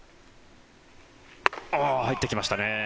入ってきましたね。